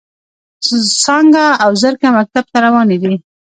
څانګه او زرکه مکتب ته روانې دي.